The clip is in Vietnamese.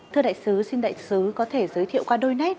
thưa đại sứ xin đại sứ có thể giới thiệu qua đôi nét